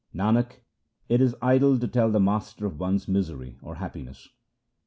Nanak, it is idle to tell the Master of one's misery or happiness.